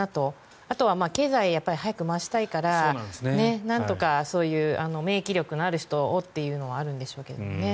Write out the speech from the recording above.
あとは経済を早く回したいからなんとかそういう免疫力のある人をというのはあるんでしょうけれどね。